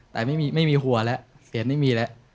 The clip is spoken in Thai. แต่ไม่มีหัวแล้วเสียงไม่มีแล้ว